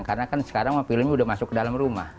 karena kan sekarang filmnya udah masuk ke dalam rumah